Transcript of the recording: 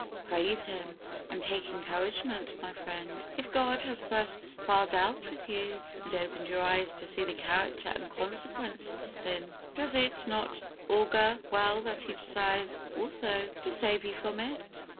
Praise Him, and take encouragement, my friend. If God has thus far dealt with you, and opened your eyes to see the character and consequences of sin, does it not augur well that He desires also to save you from it?